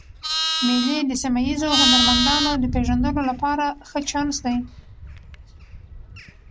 مېلې د سیمه ییزو هنرمندانو د پېژندلو له پاره ښه چانس دئ.